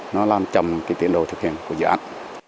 nó làm trầm cái tiền đồ thực hiện của dự án